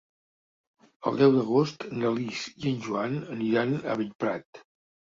El deu d'agost na Lis i en Joan aniran a Bellprat.